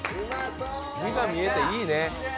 身が見えていいね。